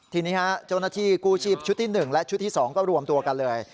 ทีนี้เจ้าหน้าที่กู้ชีพชุดที่๑และชุดที่๒ก็รวมตัวกันเลย